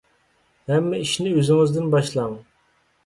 ھەممە ئىشنى ئۆزىڭىزدىن باشلاڭ.